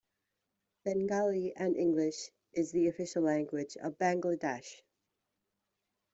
Bengali and English is the official language of Bangladesh.